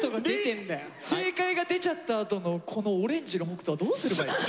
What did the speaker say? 正解が出ちゃったあとのこのオレンジの北斗はどうすればいい？